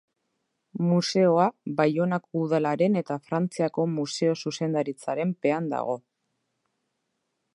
Museoa Baionako Udalaren eta Frantziako Museo Zuzendaritzaren pean dago.